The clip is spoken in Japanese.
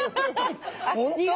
本当？